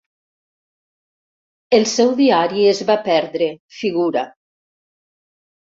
El seu diari es va perdre, figura.